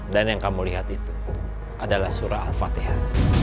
dan yang kamu lihat itu adalah surat al fatihah